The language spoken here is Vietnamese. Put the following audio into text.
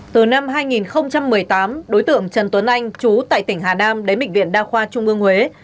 từ năm hai nghìn một mươi tám đối tượng trần tuấn anh chú tại tỉnh hà nam đến bệnh viện đa khoa trung ương huế